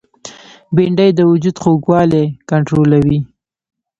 بېنډۍ د وجود خوږوالی کنټرولوي